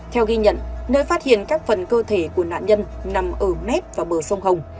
theo ghi nhận nơi phát hiện các phần cơ thể của nạn nhân nằm ở mép và bờ sông hồng